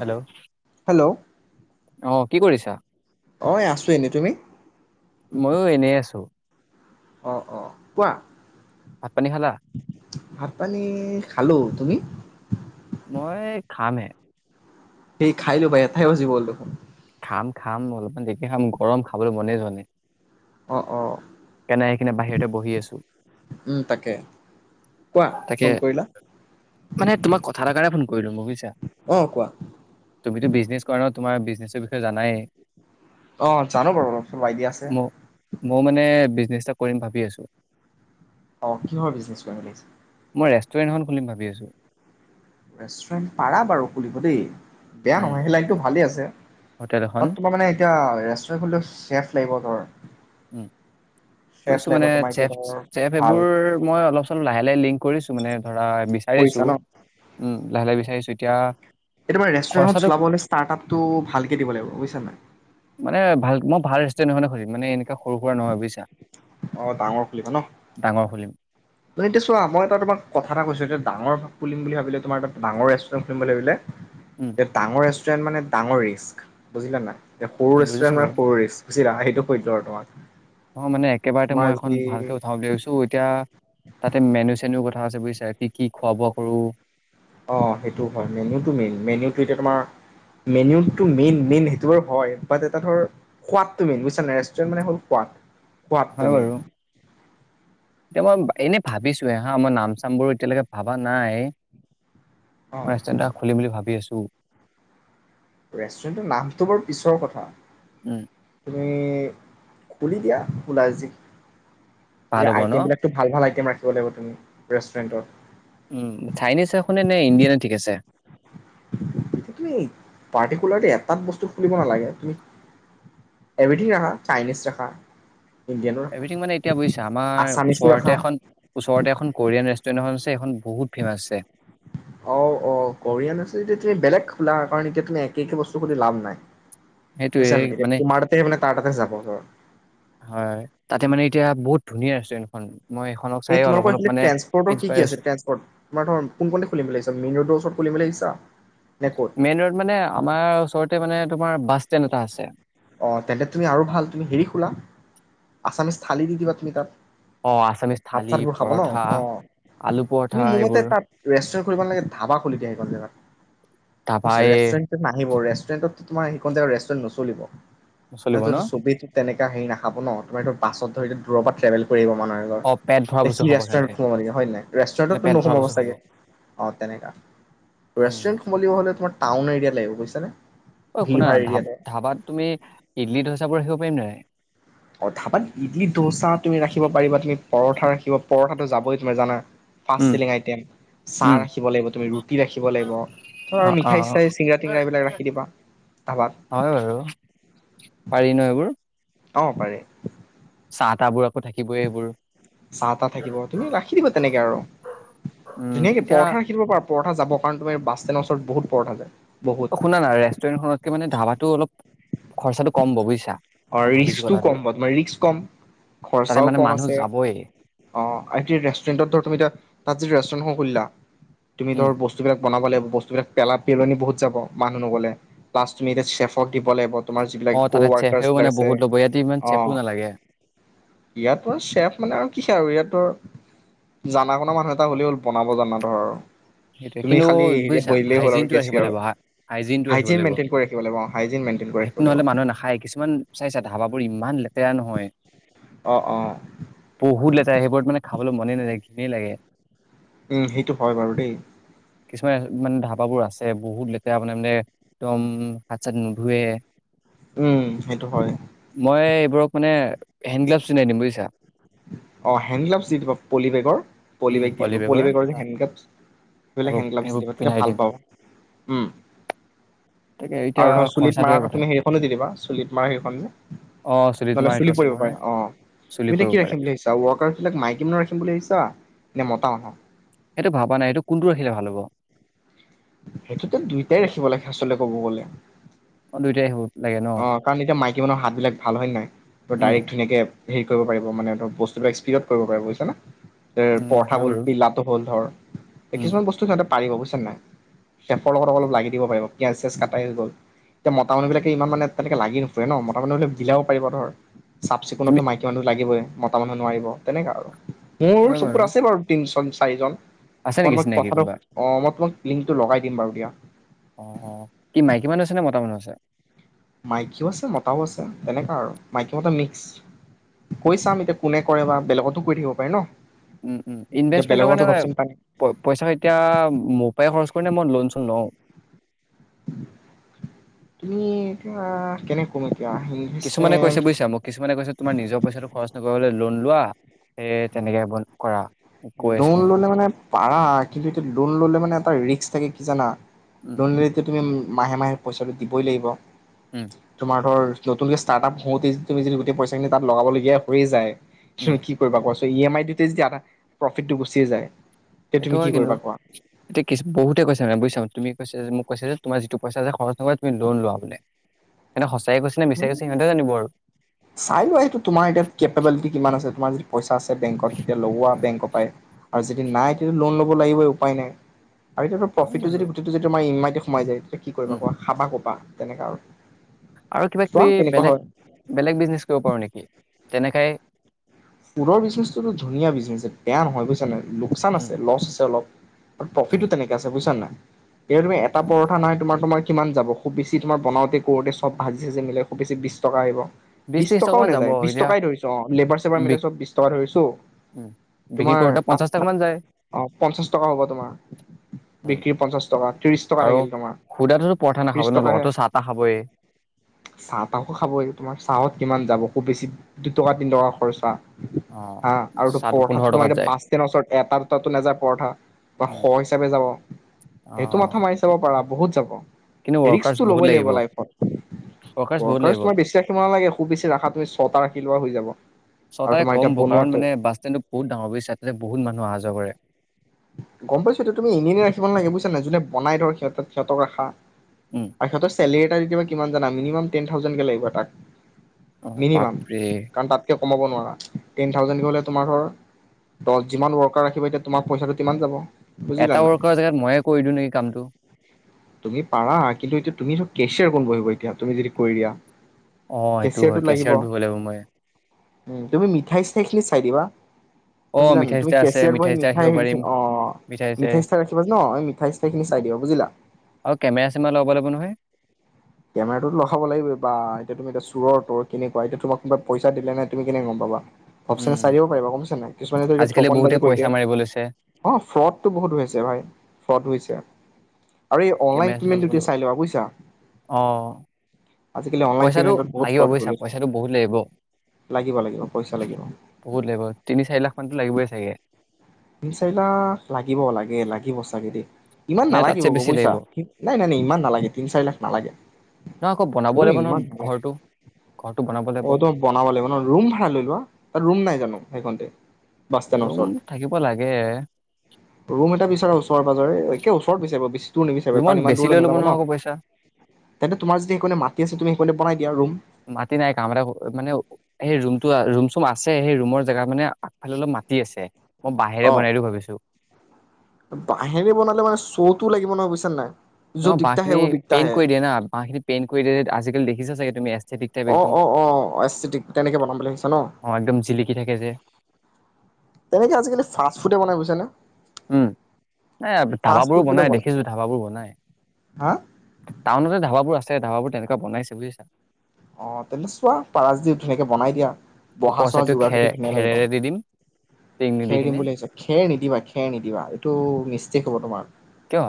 Hello hello অ'। কি কৰিছা? অঐ আছোঁ এনেই তুমি? ময়ো এনে আছোঁ। অ' অ' কোৱা? ভাত পানী খালা? ভাত পানী খালো তুমি? মই খামহে। সেই খাইলবা এটাই বাজিবৰ হ'ল দেখোন। খাম খাম অলপমান দেৰিকে খাম গৰম খাবলৈ মনে যোৱা নাই। অঁ অঁ। নাই কিনে বাহিৰ [inaudible] বহি আছোঁ। উম তাকে কোৱা তাকে ফোন কৰিলা মানে তোমাক কথা এটা কাৰণে ফোন কৰিলো বুজিছা অঁ কোৱা তুমিতো বিজনেছ কৰা ন।। তোমাৰ বিজনেচৰ বিষয়ে জানাই। অ জানো বাৰু অলপ চলপ আইডিয়া আছে। নিশ্চয় কৰিম ভাবি আছোঁ। অ কিহৰ বিজনেছ কৰিম বুলি [unintelligible] মই ৰেষ্টুৰেণ্ট এখন খুলিম ভাবি আছোঁ। ৰেষ্টুৰেণ্ট পাৰা বাৰু খুলিব দেই। বেয়া উম নহয় সেই লাইনটো ভালে আছে, হোটেল এখন আ তোমাৰ মানে এতিয়া ৰেষ্টুৰেণ্ট খুলিলে ছেফ্ লাগিব ধৰ। উ, চেফ কৈছো লাগিব মানে তোমাৰ এতিয়া চেফ ধৰ চেফ ভাল এইবোৰ মই অলপ চ লাহে লাহে লিংক কৰিছো মানে ধৰা কৰিছা বিচাৰিছোঁ, ন উম লাহে লাহে বিচাৰিছোঁ তেতিয়া তে কেতিয়াবা ৰেষ্টুৰেণ্ট এখন চলাবলৈ হ'লে ষ্টাৰ্ট‌ আপ টো ভালকে দিব লাগিব বুইছা নাই? মানে ভাল মই ভাল ৰেস্তোৰেন্ট এখনে খুলিম মানে এন এ সৰু সুৰা নহয় বুজিছা, অঁ ডাঙৰ খুলিবা ডাঙৰ খুলিম। ন এতিয়া চোৱা মই এটা তোমাক কথা এটা কৈছোঁ যে ডাঙৰ খুলিম বুলি ভাবিলে তোমাৰ এটা ডাঙৰ ৰেষ্টুৰেণ্ট খুলিম বুলি ভাবিলে উম এ ডাঙৰ ৰেচ ৰেণ্ট মানে ডাঙৰ ৰিক্স্, বুজিলা নাই? এ সৰু বুজিছো বাৰু ৰেষ্টুৰেণ্টত সৰু ৰিক্স বুজিলা [unintelligible] টো কৈ দিলো আৰু তোমাক। অ মানে একেবাৰতে মই এখন ভালকে উঠাম বুলি ভাবিছো, এতিয়া তাতে মেনু চেনু কথা আছে বুইছা, কি কি খোৱা বোৱা কৰো অ সেইটো হয় মেনুটো মেইন, মেনুটো এতিয়া তোমাৰ মেনুটো মেইন মেইন সেইটো বাৰু হয়, বাত এটা ধৰ সোৱাদটো মেইন, বুইছানে নাই ৰেষ্টুৰেণ্ট মানে হল সোৱাদ। সোৱাদ টো মেইন। এ মই এনেই ভাবিছোৱে হা মই নাম চাম বোৰ এতিয়ালৈকে ভাবা নাই। অ [unintelligible] ৰেষ্টুৰেণ্ট এটা খুলিম বুলি ভাবি আছো। ৰেষ্টুৰেণ্টৰ নামটো বাৰু পিছৰ কথা। উম এ খুলি দিয়া, খোলা যি ভাল এ হ'ব ন আইটেম বিলাকটো ভাল ভাল আই টেম ৰাখিব লাগিব তুমি ৰেষ্টুৰেণ্টত। উ চাইনিজ ৰাখো নে নে ইণ্ডিয়ানে ঠিক আছে? তুমি পাৰ্টিকুলাৰলি এটাত বস্তু খুলিব নালাগে, তুমি এভৰিথিঙ ৰাখা, চাইনিজ ৰাখা। ইণ্ডিয়ানো ৰাখা এভৰিথিং মানে এতিয়া বুইছা, আমাৰ আছামিছো ওচৰতে ৰাখা এখন, ওচৰতে এখন কোৰিয়ান ৰেচ [unintelligible] এইখন বহুত ফেমাচ হৈছে। অ অ কৰিয়ান আছে যদি তুমি বেলেগ খোলা, কাৰণ এতিয়া তুমি একে একে বস্তু খুলি লাভ নাই। সেইটোয়ে বুজিছা নাই এতিয়া মানে, তোমাৰ তাতে মানে তাৰ তাতে যাব ধৰ হয় তাতে মানে এতিয়া বহুত ধুনীয়া ৰেষ্টুৰেণ্টখন। মই এইখনক চাই এই অলপ তোমালোকৰ সেই অলপ খিনিত মানে ট্ৰেন্সপৈটৰ কি কি আছে ইনস্পাইৰেচন ট্ৰেন্সপৈট তোমাৰ ধৰা কোন খিনিত খুলিম বুলি [inaudible] মেইন ৰডৰ ওৰত খিবাগিছে ক'ত? মেইন ৰ'ড মানে আমাৰ ওচৰতে মানে।। তোমাৰ বাছ ষ্টেণ্ড এটা আছে। অ', তেন্তে তুমি আৰু ভাল, তুমি হেৰি খোলা আছামিজ থালি দি দিবা তুমি তাত। অ আছামিজ ভাত থালি চাত বোৰ খাব ন? পৰঠা অ' আলু তুমি পৰঠা মোৰ মতে এইবোৰ তাত ৰেষ্টুৰেট খুলিব নালাগে, ধাবা খুলি দিয়া সেইখন জেগাত। বুইছা? ধাবাই ৰেষ্টুৰেটত নাহিব। ৰেষ্টুৰে ৰেষ্টুৰেণ্টত তোমাৰ সেইকণ জাগাত ৰেষ্টুৰেণ্ট নচলিব। ম নচলিব ত ন চবেটো [unintelligible] তেনেকা হেৰি নাখাব ন, তোমাৰ এইটো বাছত ধৰি এইটো দূৰৰ পৰা ট্ৰেভেল কৰিব আহিব অ পেট ভৰা এতিয়া বস্তু সি খাব সিহঁতে ৰেষ্টুৰেণ্টত সোমাব নেকি? হয়নে নাই? মানে ৰেষ্টুৰেণ্টতটো পেট ভৰা নোসোমাব বস্তু খাব চাগে! অ তেনেকা! উম ৰেষ্টুৰেন্ট সোমাব হ'লে তোমাৰ টাউন এৰিয়াত লাগিব। বুইছা নে? ঐ শুনা না, ধাবা ধাবাত তুমি ইডলি ডোচাবোৰ ৰাখিব পাৰিম নে নাই? অ' ধাবাত ইডলি ডোচা তুমি ৰাখিব পাৰিবা, তুমি পৰঠা ৰাখিব পৰঠাটো যাবই তোমাৰ জানা। Fast um selling item. চাহ উম ৰাখিব লাগিব তুমি, ৰুটি ৰাখিব লাগিব। ধৰা অ আৰু অ মিঠাই- চিঠাই চিংৰা- টিংৰা এইবিলাক ৰাখি দিবা ধাবাত। হয় বাৰু পাৰি ন এইবোৰ অহ পাৰে। তা - তা বোৰক। চাহ তাহ থাকিব তুমি ৰাখি দিবা তেনেকে আৰু। উম ধুনীয়াকে এতিয়া পৰঠা ৰাখি দিব পাৰা। পৰঠা যাব কাৰণ, তোমাৰ বাছষ্টেন্ডৰ ওচৰত বহুত পৰঠা যায়। বহুত অ', শুনা না, ৰেষ্টুৰেণ্টখনকে মানে ধাবাটো অলপ খৰচাটো কম হ'ব বুজিছা মই অ', ভাবিছো ৰিস্কটো কথাটো কম হব তোমাৰ ৰিস্কটো কম। তাতে খৰচাও মানে কম মানুহ আছে। যাবই অ' এতিয়া ৰেষ্টুৰেন্টত ধ তুমি এতিয়া তাত যদি ৰেষ্টুৰেণ্ট এখন খুলিলা তুমি উম ধৰ বস্তুবিলাক বনাব লাগিব। বস্তুবিলাক পেলা পেলনি বহুত যাব মানুহ নগ'লে। প্লাছ তুমি এতিয়া চেফক দিব লাগিব। তোমাৰ অ যিবিলাক কো- তাতে চেফেও মানে ওৱাৰ্কাছবিলাক আছে। বহুত ল'ব ইয়াতে ইমান চেফো অ' নালাগে ইয়াত আৰু চেফ মানে আৰু কি আৰু! ইয়াত আৰু জানা শুনা মানুহ এটা হ'লে হ'ল বনাব জানা ধৰ। সেইটোৱে তুমি কিন্তু খালি হেৰিয়ত বুজিছা বহিলেই হ'ল আৰু হাইজিনটো ৰাখিব কেছিয়াৰত। লাগিব হা হাইজিনটো ৰাখিব হাইজিন লাগিব মেনট্ৰেইন কৰি ৰাখিব লাগিব। হাইজিন মেনতেইন কৰি সেইটো লাগিব ন'হলে মানুহে নাখায় কিছুমান চাইছা ধাবা বোৰ ইমান লেত তেৰা নহয়, অ অ বহুত লেতেৰা সেইবোৰত মানে খাবলৈ মনে নাযায়। ঘিনেই লাগে। উম, সেইটো হয় বাৰু দেই। কিছুমান মানে ধাবাবোৰ আছে বহুত লেতেৰা মানে একদম হাত চাত নুধুৱে। উম সেইটো হয়। [unintelligible] মানে হেণ্ড গ্লাভছ পিন্ধাই দিম বুজিছা। অ হেণ্ডগ্লভচ দি দিব পলি বেগৰ। উম পলিবেগ দি দিব পলি বেগৰ পলিবেগৰ যে হেণ্ডগ্লাভছ। এইবোৰ হেণ্ডগ্লাভছ দি এইবোৰ দিব তেতিয়া পিন্ধাই ভাল দিম পাওঁ। উম। তাকে এতিয়া আৰু ধৰ চুলিত খৰচাটোৱে মাৰ কথা তুমি হেৰিখনো দি দিবা চুলিত মৰা সেইখন। অ চুলিত নহ'লে মৰা সেইটো চুলি আছে পৰিব নহয় পাৰে, অ চুলি তুমি এতিয়া পৰিব কি ৰাখিবা। পাৰে কি বুলি ভাবিছা? ৱৰ্কাৰ বিলাক মাইকী মানুহ ৰাখিম বুলি ভাবছা নে মতা মানুহ? সেইটো ভবা নাই। সেইটো কোনটো ৰাখিলে ভাল হ'ব? সেইটোত দুইটাই ৰাখিব লাগে আচলতে ক'ব গ'লে। অ দুইটাই হব অহ, কাৰণ এতিয়া মাই কি মনুহৰ হাতবিলাক ভাল হয় নে নাই? তো উম ডাইৰেক্ট ধুনীয়াকে হেৰি কৰিব পাৰিব মানে ধৰক বস্তুবিলাক স্পীডত কৰিব পাৰিব, বুজিছা না? এই উম পৰঠা হয় বল বাৰু বিলাতো হ'ল ধৰ, উম কিছুমান বস্তু সিহঁতৰ পাৰিব, বুজিছা নে নাই? চেফৰ লগত অলপ লাগি দিব পাৰিব, পিয়াঁজ-চিয়াঁজ কটাই হৈ গ'ল, তো মানুহবিলাক হেই ইমান মানে তেনেকে লাগি নপৰে ন? মতা মানুহে বিলাবও পাৰিব ধৰ। চফ-চিকণত তুমি তো মাইকী মানুহ লাগিবই। মতা মানুহ নোৱাৰিব তেনেকা আৰু। মোৰ চকুত আছে বাৰু তিন চন চাৰিজন। আছে নেকি [unintelligible] চিনাকি কথাটো কোনোবা অহ, মই [unintelligible] লিংকটো লগাই দিম বাৰু দিয়া। অহ, অহ, কি, মাইকী মানুহ আছে? নে মতা মানুহ আছে? মাইকীও আছে, মতাও আছে, তেনেকুৱা আৰু। মাইকী-মতা মিক্স। কৈ চাম এতিয়া কোনে কৰে, বা বেলেগতো কৰি থাকিব পাৰে, ন? উম, উম। এতিয়া ইনভেষ্টমেণ্টৰ বেলেগতো কাৰণে ঘপচে পাই পে-পইচা এতিয়া মোৰ পৰাই খৰচ কৰোঁনে মই লোন-চোন লওঁ? তুমি এতিয়া কেনে কম এতি কিছুমানে কৈছে, বুজছা মোক, কিছুমানে কৈছে তোমাৰ নিজৰ পইচাটো খৰচ নকৰিবলৈ, লোন লোৱা, সেই তেনেকে বন কৰা। মোক কৈ আছে লোন ললে মানে পাৰা কিন্তু এতিয়া লোন ল'লে মানে এটা ৰিস্ক থাকে কি জানা? উম লোন লৈ এতিয়া তুমি উম মাহে মাহে পইচাটো দিবই লাগিব। উম তোমাৰ ধৰ নতুনকে ষ্টাৰ্ট-আপ হওঁতে যদি তুমি যদি গোটেই পইচাখিনি তাত লগাবলগীয়া হৈ যায় উম তুমি কি কৰিবা কোৱাচোন? তে ই এম আই তে যদি আধা প্ৰফিটটো গুচিয়ে যায়। তেতিয়া সেইটো তুমি কি হয়, কিন্তু। কৰিবা কোৱা? এতিয়া কিচ বহুতে কৈছা মানে বুজিছা, তুমি কৈছে যে, মোক কৈছে যে তোমাৰ যিটো পইচা আছে খৰচ নকৰা, তুমি লোন লোৱা বোলে। সেইটো সঁচ চাই লোৱা এইটো, তোমাৰ এতিয়া কেপেবিলিটি কিমান আছে। [unintelligible] পইচা বেংকত তেতিয়া লগোৱা উম, বেংক পায় আৰু যদি নাই [unintelligible] লোন ল'ব লাগিব উপায় নাই‌। আৰু এতিয়াটো হয় প্ৰফিতটো‌ বাৰু যদি গোটেইটো যিটো আমাৰ ইমাইত এ, সোমাই যায়। কি কৰিবা উম কোৱা খাবা কপা? তেনেকা আৰু। আৰু চোৱা কিবাকিবি কেনেকুৱা বেলেগ হয়। বেলেগ বিজনেছ কৰিব পাৰোঁ নেকি, তেনেকাই ফুডৰ বিজনেছটোতো ধুনীয়া বিজনেজ, বেয়া নহয় বুইছা নাই? লোকচান উম আছে, ল'চ হৈছে অলপ। উম প্ৰফিতো তেনেকে আছে বুইছানে নাই? এ তুমি এটা হয় বাৰু। পৰঠা নাই তোমাৰ সময়ত। কিমান যাব খুব বেছি তোমাৰ বনাওঁতে কৰোঁতে চব ভাজি চাজি মিলেই খুব বেছি বিছ টকা আহিব। বিশ বিছ ত্ৰিশ টকা টকাও মান যাব নেযায়, বিছ এতিয়া টকাই ধৰিছো অ', লেবাৰ্চ তোমাৰ বি মিলাই চব বিশ টকা ধৰিছো, উম বিক্ৰী তোমাৰ কৰোতে তাত পঞ্চাশ টকা তাত মান যায় অ পঞ্চাছ টকা হ'ব তোমাৰ, উম বিক্ৰী পঞ্চাছ টকা, ত্ৰিশ টকা আৰু থাকিল তোমাৰ, সুদাটোতো পৰঠা নাখাব ত্ৰিশ ন টকাহে লগতো চাহ তাহ খাবই চাহতাহো খাবই। তোমাৰ চাহত কিমান যাব খুব বেছি দুটকা তিন টকা খৰচ। পা অ হা, আৰু টো চাহটো পোন্ধৰ পৰঠাতো টকাত তোমাৰ যায়। বাছ ষ্টেণ্ডৰ ওচৰত এটা দুটাটো নাযায় পৰঠা, তোমাৰ উম শ হিচাপে যাব, অ সেইটো মাথা মাৰি চাব পাৰা। বহুত যাব। কিন্তু ৱৰ্কাৰ্চ ৰিক্সটো বহুত ল'বই লাগিব লাইফত, বহুত ৱৰ্কাৰ্চ লাগিব। তোমাৰ বেছি ৰাখিব নালাগে, খুব বেছি ৰাখা তু ছটা ৰাখি লোৱা হৈ যাব। আৰু ছটাই তোমাৰ এতিয়া কম ব, কাৰণ বনোৱাটো মানে বাচ ষ্টেণ্ডটো বহুত ডাঙৰ বুইছা, তে বহুত মানুহ অহা [unintelligible] গম পাইছো এইটো তুমি এনেই এনে ৰাখিব নালাগে বুইছানে, যোনে বনাই ধৰ সিহঁতাত সিহঁতক ৰাখা। উম। আৰু সিহঁতৰ চেলেৰী [unintelligible] কিমান জানা, মিনিমাম টেন থাউজেণ্ড কে লাগিব এটাত। অ মিনিমাম, বাপৰে। কাৰণ তাতকে কমাব নোৱাৰা, টেন থাউজেণ্ড কৈ হ'লে তোমাৰ ধৰ দহ যিমান ৱৰ্কাৰ ৰাখিবা এতিয়া তোমাক পইচাপাতি কিমান যাব? এটা ওৱকৰৰ জেগাত ময়ে কৰি দিওঁ নেকি কামটো। তুমি পাৰা কিন্তু এতিয়া তুমি চব কেচিয়াৰ কোন বহি বহি কাম তুমি যদি কৰি দিয়া? অ এইটো হয়, কেচিয়াৰত বহিব লাগিব মই। উ তুমি মিঠাই- চিঠাই খিনি চাই দিবা অ', বুজিলা নে মিঠাই তুমি চিঠাই আছে, কেচিয়াৰ বহি মঠাই চিঠাই মিঠাই ৰাহিব হেৰি পাৰি। অ', মিঠাই-চিঠাই ৰাখিবা ন? আমি মিঠাই-চিঠাই খিনি চাই দিবা বুজিলা? আৰু কেমেৰা চেমেৰা লগাব লাগিব নহয়। কেমেৰাটোতো লগাব লাগিবযে। বাঃ, এতিয়া তুমি চোৰৰ তৰ কেনেকুৱা? এতিয়া তোমাক কোনোনাই পইচা দিলে নে, তুমি কেনেকে গ'ম পাবা? ঘপচেনে উম চাই দিব পাৰিবা, গম পাইছা নে নাই। কিছুমানে ধৰ, এতিয়া আজিকালি ঠগণ বহুতে বাজি কৰি পইচা দিয়ে। মাৰিব লৈছে অ' ফ্ৰ'ডটো বহুত হৈছে ভাই, ফ্ৰ'ড হৈছে। আৰু এই অনলাইন কেমেৰা চেমেৰা পেমেণ্ট ল'ব দিওঁতে লাগিব। চাই লবা বুজিছা। অ আজিকালি অনলাইন পইচাটো পেমেণ্টত বহুত লাগিব ফ্ৰ'ড হ'ব বুজিছা লৈছে। পইচাটো বহুত লাগিব। লাগিব লাগিব পইচা লাগিব, বহুত লাগিব তিনি চাৰি লাখ মানতো লাগিবই চাগে তিনি-চাৰি লাখ লাগিব লাগে, লাগিব চাগে দেই। ইমান নে নালাগিব তাতছে বেছি বুইছা, লাগিব। নাই, নাই, নাই, ইমান নালাগে। তিনি চাৰি লাখ নালাগে। নহয় আকৌ বনাব অ', লাগিব নহয় ইমান নালাগে। ঘৰটো ঘৰটো বনাব লাগিব অ', তোমাক বনাব লাগিব ন'। ৰুম ভাৰা লৈ লোৱা, তাত ৰুম নাই যা [unintelligible] সেইখনতে? বাছ ষ্টেনৰ ৰুম ওচৰত। থাকিব লাগে। ৰুম এটা বিচৰা ওচৰ ওচৰে-পাঁজৰে, এক ওচৰত বিচাৰিব বিচ ৰুমত বেছি লৈ ল'ব নহয় আকৌ পইচা। তেন্ত তোমাৰ যদি হেইকনে মাটি আছে, তুমি হেইকনতে বনায় দিয়া ৰুম। মাটি নাই। কাম এটা মানে সেই ৰুমটো ৰুম-চুম আছে, সেই ৰুমৰ জেগাত মানে আগফালে অলপ মাটি আছে। মই বাঁহেৰে অ বনাই দিওঁ ভাবিছোঁ। বাঁহেৰে বনালে মানে শ্ব'তো লাগিব নহয় বুজিছ নে নাই? ন য'ত ন দিগদাৰ হে বাঁহখিনি ৱ দিগদাৰ পেইণ্ট হে কৰি দিয়ে না, বাঁহখিনি পেইণ্ট কৰি দিয়ে আজিকালি দেখি [unintelligible] তুমি [unintelligible] অ', একদম অ', অ'। আইস্থেটিক। তেনেকে বনাম বুলি ভাবিছ ন? অ একদম জিলিকি থাকে যে তেনেকে আজিকালি ফাছ ফুডহে বনায় বুইছনে? উম। এ ধাবাবোৰো ফুড বিলাক বনাই দেখিছোঁ, ধাবাবোৰ বনাই। হা? টাউনতে ধাবাবোৰ আছে, ধাবাবোৰ তেনেকুৱা বনাইছে বুজিছা। অ', তেন্ত চোৱা। পাৰা যদি ধুনীয়াকে বনাই দিয়া, ওপৰৰ বহা-চহা চাইডটো যোগাৰটোতো খেৰে ধুনীয়া লাগিব। খেৰেৰে দি দিম টিং নিদি খেৰ দিম কিনে বুলি ভাবিছ। খেৰ নিদিবা খেৰ নিদিবা এইটো মিষ্টেক হ'ব তোমাৰ। কিয়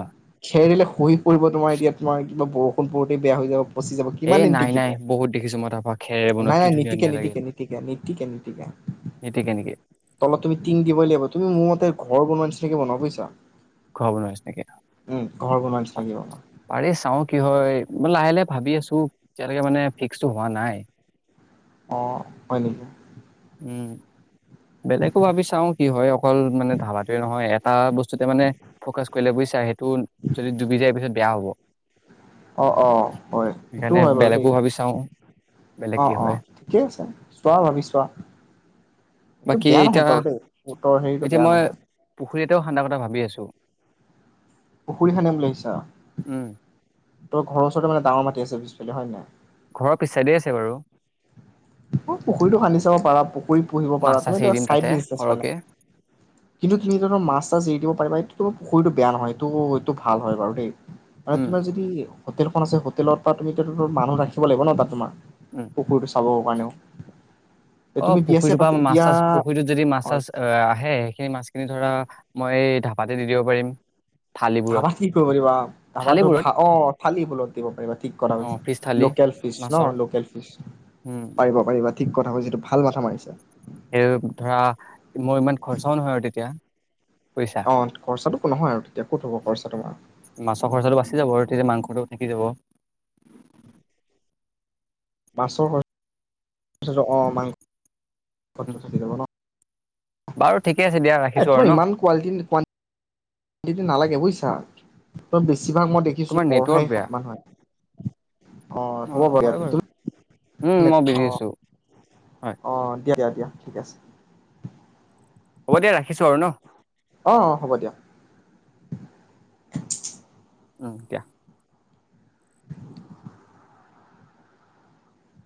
খেৰ দিলে খহি পৰিব। তোমাৰ এতিয়া তোমাৰ কিবা বৰষুণ পৰোতেই বেয়া হৈ যব পচি যাব, কিমান এই দিন নাই টিকিব। নাই বহুত দেখিছো মই ধাবা খেৰেৰে বনোৱা নাই কি ধুনীয়া নীতিকে ধুনীয়া লাগে নীতিকে নীতিকে নীতিকে নীতিকে নিতিকে নিকে টিং দিবৈ লাগিব। তুমি মোৰ মতে ঘৰ বনোৱা নিচিনাকৈ বনোৱা বুজিছা। ঘৰ বনোৱা নিচিনাকে। উম ঘৰ বনোৱা আ নিচিনাকে বনোৱা আৰে চাও কি হয়, ম লাহে লাহে ভাবি আছো এটিয়ালৈকে মানে ফিক্সটো হোৱা নাই। অ হয় নেকি। উম বেলেগো ভাবি চাও কি হয় অকল মানে ধাবাটোৱে নহয় এটা বস্তুতে মানে ফকাচ কৰিলে বুইছ ৰন সেইটো যদি ডুবি যায় পিছত বেয়া হ'ব। অ অ হয় সেইটো সেইকাৰণে হয় বাৰু দেই বেলেগো ভাবি চাওঁ বেলেগ অ কি অ হয় ঠিকে আছে চোৱা ভাবি চোৱা এইটো বাকী বেয়া এতিয়া নহয় বাৰু দেই উত্তৰ হেৰিটো এতিয়া বেয়া মই নহয় পুখুৰী এটাও খান্দা কথা ভাবি আছোঁ পুখুৰী খান্দিম বুলি ভাবিছা। উম তেওঁৰ ঘৰৰ ওচৰতেই ডাঙৰ মাটি পিছফালে হয় নে। ঘৰৰ পিছছাইডেই আছে বাৰু পুখুৰীটো খান্দি চাব পাৰা, পুখুৰীত পুহিব মাছ পাৰা। চাছ এৰি তুমিতো আৰু দিম তাতে চাইড বিজনেছ মানে। সৰহকে কিন্তু তুমি তাতে মাছ চাছ জৰি দিব পাৰিবা এই তোমাৰ পুখুৰীটো বেয়া নহয় এইটো এইটো ভাল হয় বাৰু দেই। আৰু উম তোমাৰ যদি হোটেলখন আছে হোটেলৰ পৰা তুমি মানুহ ৰাখিব লাগিব ন তাত তোমাৰ। উম পুকুৰীটো চাব [inaudible] অ চিয়া পুখুৰীটোৰ পাতি পৰা মাছ বিয়া চাছ পুখুৰীত যদি মাছ অ চাছ আহ আহে সেই মাছ এই ধৰা মই এই ঢাপাতে দি দিব পাৰিম থালিবোৰত ধাবাত কি কৰিব পাৰিবা ধাবাত থালিবোৰত অ থালি বলত দিব পাৰিবা ঠিক কৰা অ ফিচ থালি লোকেল ফিচ ন মাছৰ লোকেল ফিচ উম পাৰিব পাৰিবা ঠিক কথা কৈছা এইটো ভাল কথা মাৰিছা। সেই ধৰা মোৰ ইমান খৰচাও নহয় আৰু তেতিয়া পইচা অ খৰচাটো নহয় আৰু তেতিয়া ক'ত হ'ব খৰচা তোমাৰ। মাছৰ খৰচাটো বাচি যাব আৰু তেতিয়া মাংসটো থাকি যাব মাছৰ ছ অ মাং উম [inaudible] বাৰু ঠিকে আছে দিয়া ৰাখিছো আৰু ন। যি টি নালাগে বুইছা তই যিভাগ মই দেখিছো তোমাৰ পৰঠাই খাই মানুহে। অ হ'ব অহ, দিয়া হয় বাৰু। উম তুমি মই অ বিজি আছোঁ, হয়। অ দিয়া দিয়া দিয়া ঠিক আছে। হ'ব দিয়া ৰাখিছোঁ আৰু ন। অ অ হ'ব দিয়া উম, দিয়া।